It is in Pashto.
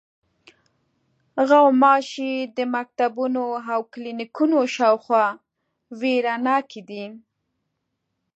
غوماشې د مکتبونو او کلینیکونو شاوخوا وېره ناکې دي.